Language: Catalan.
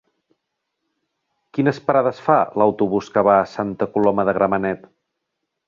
Quines parades fa l'autobús que va a Santa Coloma de Gramenet?